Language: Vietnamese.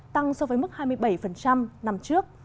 tăng so với mức hai mươi bảy năm trước